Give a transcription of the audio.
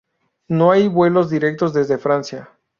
No hay vuelos directos desde Francia.